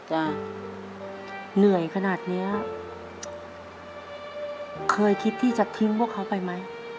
จะเหนื่อยขนาดเนี้ยเคยคิดที่จะทิ้งพวกเขาไปไหม